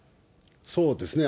そうですね。